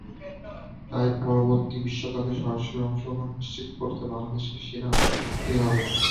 তাই পরবর্তী বিশ্বকাপে সরাসরি অংশগ্রহণ নিশ্চিত করতে বাংলাদেশকে সেরা আটে থাকতেই হবে।